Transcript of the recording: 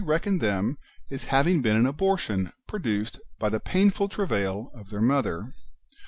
reckon tliem as having been an abortion produced by tlie painful travail of their Mother.